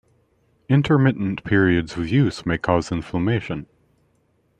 Intermittent periods of use may cause inflammation.